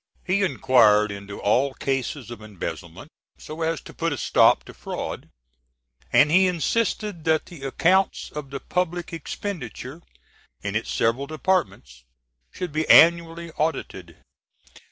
He inquired into all cases of embezzlement, so as to put a stop to fraud; and he insisted that the accounts of the public expenditure in its several departments should be annually audited.